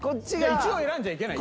１位を選んじゃいけない。